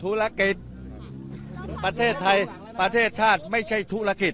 ธุรกิจประเทศไทยประเทศชาติไม่ใช่ธุรกิจ